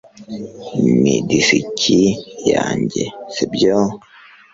ni disiki yanjye, sibyo